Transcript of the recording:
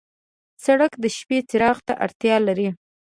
سړک د شپې څراغ ته اړتیا لري.